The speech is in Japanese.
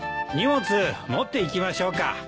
荷物持っていきましょうか？